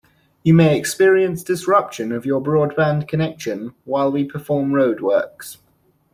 You may experience disruption of your broadband connection while we perform road works.